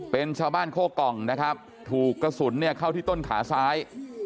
เป็นชาวบ้านโคกองนะครับถูกกระสุนเนี่ยเข้าที่ต้นขาซ้าย